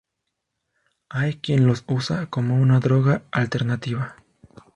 Hay quien los usa como una droga alternativa.